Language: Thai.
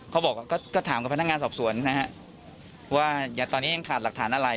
เขาบอกก็ถามกับพนักงานสอบสวนนะฮะว่าตอนนี้ยังขาดหลักฐานอะไร